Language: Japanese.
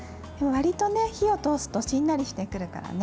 わりと火を通すとしんなりしてくるからね。